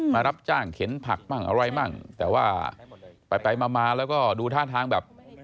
มารับจ้างเข็นผักมั่งอะไรมั่งแต่ว่าไปไปมามาแล้วก็ดูท่าทางแบบ